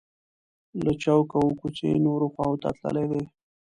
له چوکه اووه کوڅې نورو خواو ته تللي دي.